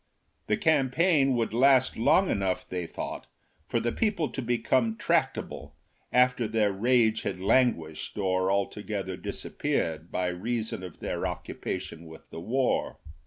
The campaign would last long enough, they thought, for the people to become tractable, after their rage had languished or altogether disappeared by reason of their occupation with the war.